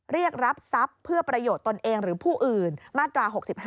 เรียกรับทรัพย์เพื่อประโยชน์ตนเองหรือผู้อื่นมาตรา๖๕